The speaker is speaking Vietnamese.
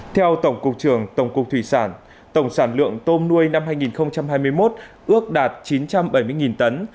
theo tổng cục trường tổng cục thủy sản tổng sản lượng tôm nuôi năm hai nghìn hai mươi một ước đạt chín trăm bảy mươi tấn